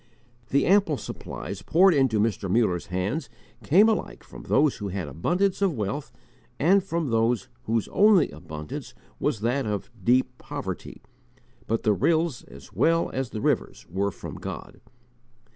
The ample supplies poured into Mr. Muller's hands came alike from those who had abundance of wealth and from those whose only abundance was that of deep poverty, but the rills as well as the rivers were from God.